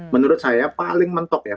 menurut saya paling mentok ya